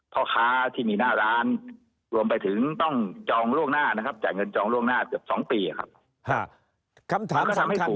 พ่อค้าที่มีหน้าร้านรวมไปถึงต้องจองล่วงหน้านะครับจ่ายเงินจองล่วงหน้าเกือบ๒ปีครับ